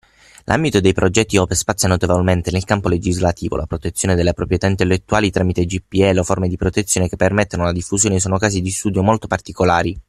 L'ambito dei progetti open spazia notevolmente nel campo legislativo, la protezione delle proprietà intellettuali tramite GPL o forme di protezione che permettano la diffusione sono casi di studio molto particolari.